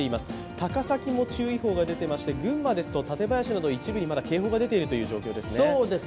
高崎も注意報が出ていまして、群馬ですと館林など一部にまだ警報が出ている状況ですね。